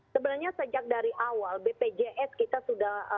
sebenarnya sejak dari awal bpjs kita sudah